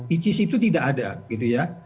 icw itu tidak ada